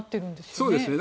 そうですね。